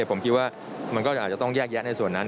ผมคิดว่ามันก็อาจจะต้องแยกแยะในส่วนนั้น